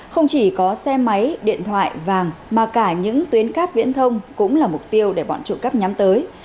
không chỉ có xe máy điện thoại vàng mà cả những tuyến cắp viễn thông cũng là mục tiêu để bọn trộm cắp nhắm tới